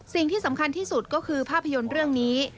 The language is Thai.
สิ่งที่สำคัญที่สุดก็คือภาพยนตร์เรื่องนี้